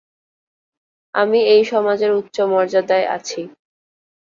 আমি এই সমাজের উচ্চ মর্যাদায় আছি।